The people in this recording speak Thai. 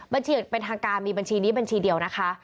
อย่างเป็นทางการมีบัญชีนี้บัญชีเดียวนะคะ